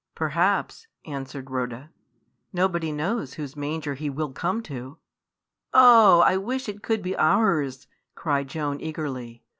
"Perhaps," answered Rhoda; "nobody knows whose manger He will come to." "Oh! I wish it could be ours!" cried Joan eagerly.